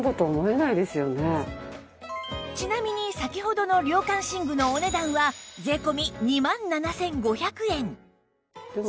ちなみに先ほどの涼感寝具のお値段は税込２万７５００円